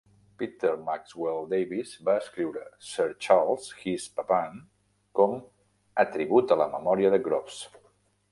Peter Maxwell Davies va escriure "Sir Charles: his Pavane" com a tribut a la memòria de Groves.